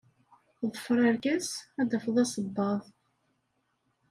Ḍfeṛ arkas, ad tafeḍ asebbaḍ.